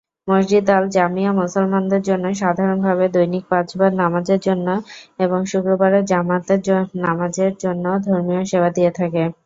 মসজিদ আল জামিয়া মুসলমানদের জন্য সাধারণভাবে দৈনিক পাঁচবার নামাজের জন্য এবং শুক্রবারের জামাতের নামাজের জন্য ধর্মীয় সেবা দিয়ে থাকে।